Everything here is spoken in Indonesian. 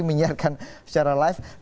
menyiarkan secara live